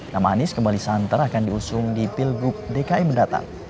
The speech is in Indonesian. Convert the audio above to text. nama anies kembali santer akan diusung di pilgub dki mendatang